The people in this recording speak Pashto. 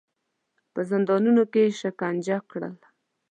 په زندانونو کې یې شکنجه کړل.